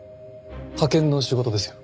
派遣の仕事ですよ。